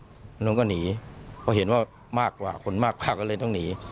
ทางนู้นก็หนีเพราะเห็นว่าคนมากกว่าก็เลยต้องหนี